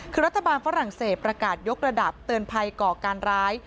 คือรัฐบาลฝรั่งเศสประกาศยกระดับเตือนภัยก่อการร้าย